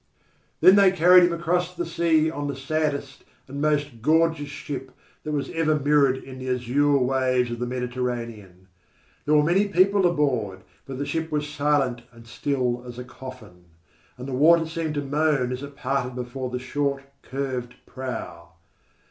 Then they carried him across the sea on the saddest and most gorgeous ship that was ever mirrored in the azure waves of the Mediterranean. There were many people aboard, but the ship was silent and still as a coffin, and the water seemed to moan as it parted before the short curved prow.